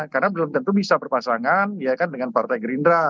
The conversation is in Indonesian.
karena belum tentu bisa berpasangan ya kan dengan partai gerindra